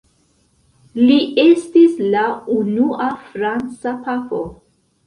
Li estis la unua franca papo.